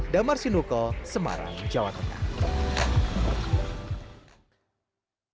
damar sinuko semarang jawa tengah